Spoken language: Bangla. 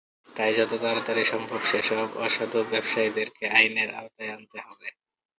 তাই যত তাড়াতাড়ি সম্ভব সেসব অসাধু ব্যবসায়ীদেরকে আইনের আওতায় আনতে হবে।